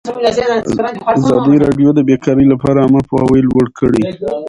ازادي راډیو د بیکاري لپاره عامه پوهاوي لوړ کړی.